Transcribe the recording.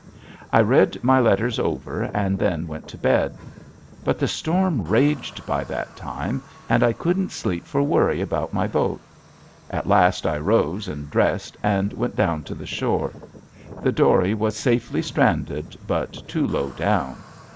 I read my letters over and then went to bed. But the storm raged by that time and I couldn't sleep for worry about my boat. At last I rose and dressed and went down to the shore. The dory was safely stranded but too low down.